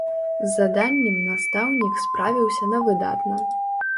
З заданнем настаўнік справіўся на выдатна.